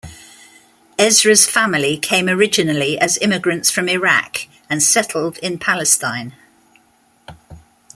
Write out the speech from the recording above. Ezra's family came originally as immigrants from Iraq and settled in Palestine.